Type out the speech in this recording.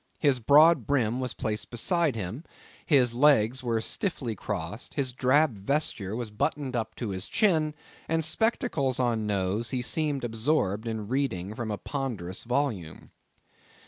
His broad brim was placed beside him; his legs were stiffly crossed; his drab vesture was buttoned up to his chin; and spectacles on nose, he seemed absorbed in reading from a ponderous volume.